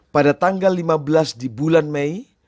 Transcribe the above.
pada tanggal lima belas di bulan mei